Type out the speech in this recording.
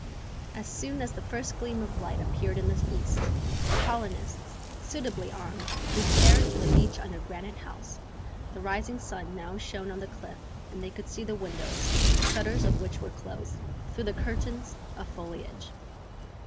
As soon as the first gleam of light appeared in the east, the colonists, suitably armed, repaired to the beach under Granite House. The rising sun now shone on the cliff and they could see the windows, the shutters of which were closed, through the curtains of foliage.